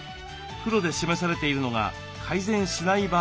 黒で示されているのが改善しない場合の予測。